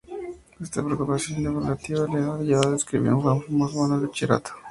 Esta preocupación divulgativa le ha llevado a escribir un ya famoso manual de bachillerato.